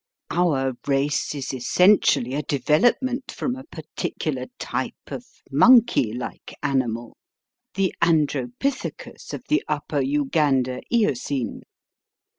Our race is essentially a development from a particular type of monkey like animal the Andropithecus of the Upper Uganda eocene.